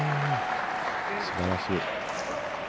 すばらしい。